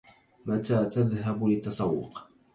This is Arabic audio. متى تذهب للتسوق؟